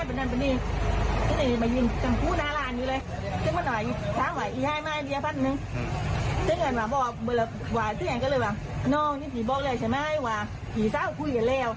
ผีสาวคุยกันแล้วแล้วเนี้ยเออฟังเถอะเนี้ย